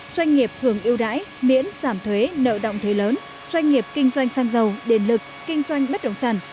doanh nghiệp hưởng yêu đãi miễn giảm thuế nợ động thuế lớn doanh nghiệp kinh doanh sang giàu đền lực kinh doanh bất đồng sản